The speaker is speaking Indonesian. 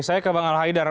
saya ke bang al haidar